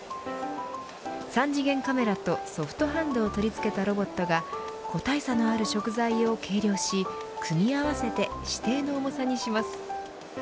３次元カメラとソフトハンドを取り付けたロボットが個体差のある食材を計量し組み合わせて指定の重さにします。